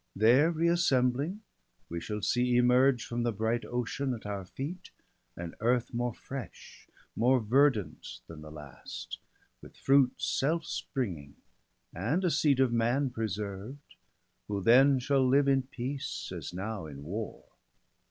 There re assembling we shall see emerge From the bright Ocean at our feet an earth More fresh, more verdant than the last, with fruits Self springing, and a seed of man preserved, Who then shall live in peace, as now in war.